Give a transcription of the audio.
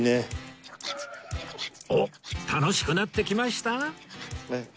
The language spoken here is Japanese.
おっ楽しくなってきました？